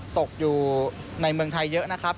ตกอยู่ในเมืองไทยเยอะนะครับ